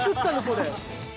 これ。